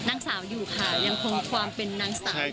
นางสาวอยู่ค่ะยังคงความเป็นนางสาว